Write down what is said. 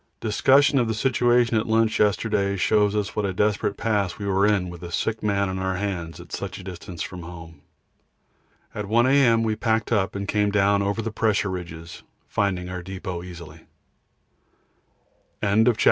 Discussion of the situation at lunch yesterday shows us what a desperate pass we were in with a sick man on our hands at such a distance from home. At 1 A.M. we packed up and came down over the pressure ridges, finding our depôt easily. CHAPTER XX The Last March_25_ Sunday, February 18. R. 32. Temp.